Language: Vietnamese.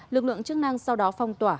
lực lượng chức năng sau đó phong tỏa